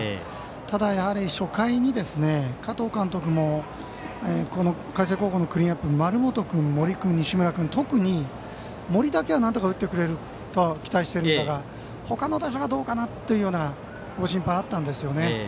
ただ、初回に加藤監督もこの海星高校クリーンナップ丸本君、森君、西村君特に森だけは、なんとか打ってくれると期待しているのが他の打者がどうかというご心配があったんですよね。